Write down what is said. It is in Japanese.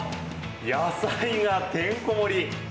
野菜がてんこ盛り！